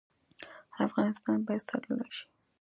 افغانستان باید سرلوړی شي